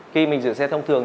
khi mình rửa xe thông thường